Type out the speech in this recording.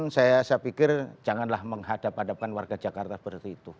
saya pikir janganlah menghadap hadapkan warga jakarta seperti itu